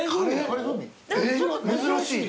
珍しい。